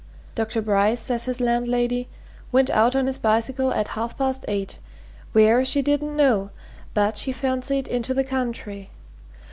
"Dr. Bryce, says his landlady, went out on his bicycle at half past eight where, she didn't know, but, she fancied, into the country.